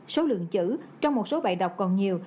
số lượng chữ trong một số bài đọc còn nhiều